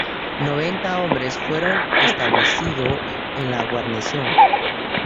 Noventa hombres fueron establecido en la guarnición.